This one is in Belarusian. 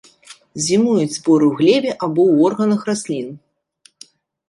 Зімуюць споры ў глебе або ў органах раслін.